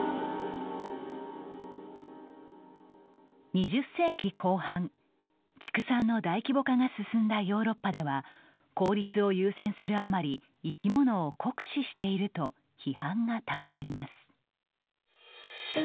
２０世紀後半畜産の大規模化が進んだヨーロッパでは効率を優先するあまり生き物を酷使していると批判が高まります。